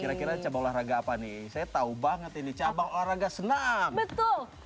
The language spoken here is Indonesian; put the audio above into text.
kira kira cabang olahraga apa nih saya tau banget ini cabang olahraga senang